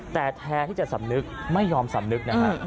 แต่แทนที่จะสำนึกไม่ยอมสำนึกนะฮะ